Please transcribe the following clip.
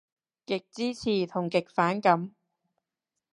極支持同極反感